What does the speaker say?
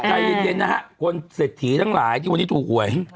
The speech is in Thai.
ใจเย็นนะฮะคนเศรษฐีทั้งหลายที่วันนี้ถูกหวย